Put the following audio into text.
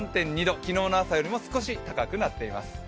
昨日の朝よりも少し高くなっています。